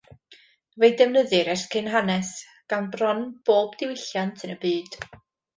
Fe'i defnyddir ers cyn hanes, gan bron pob diwylliant yn y byd.